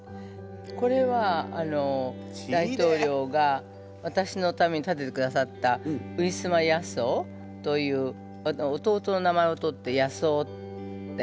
これは大統領が私のために建ててくださったウィスマ・ヤソオという弟の名前を取ってヤソオって。